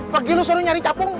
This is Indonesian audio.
pagi lu suruh nyari capung